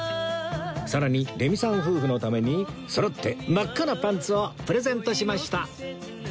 さらにレミさん夫婦のためにそろって真っ赤なパンツをプレゼントしました